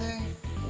hebat fisan kamu